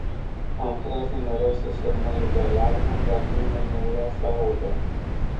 Am tras numeroase semnale de alarmă, dar nimeni nu vrea să audă.